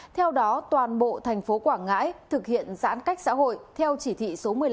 theo đó toàn bộ thành phố quảng ngãi thực hiện giãn cách xã hội theo chỉ thị số một mươi năm